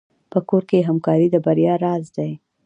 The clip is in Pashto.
په کور کې همکاري د بریا راز دی.